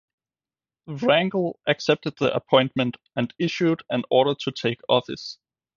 Wrangel accepted the appointment and issued an order to take office.